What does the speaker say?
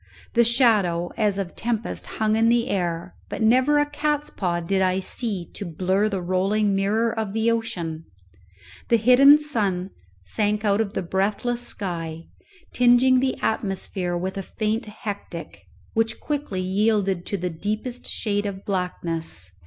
The shadow as of tempest hung in the air, but never a cats paw did I see to blurr the rolling mirror of the ocean. The hidden sun sank out of the breathless sky, tingeing the atmosphere with a faint hectic, which quickly yielded to the deepest shade of blackness.